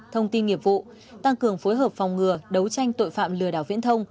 thông tin nghiệp vụ tăng cường phối hợp phòng ngừa đấu tranh tội phạm lừa đảo viễn thông